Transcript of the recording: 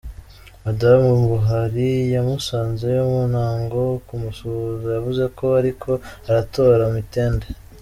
Madamu Buhari yamusanzeyo mu ntango kumusuhuza, yavuze ko "ariko aratora mitende".